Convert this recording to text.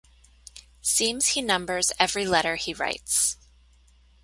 Seems he numbers every letter he writes.